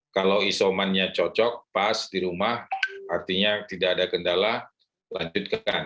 kalau isomannya cocok pas di rumah artinya tidak ada kendala lanjutkan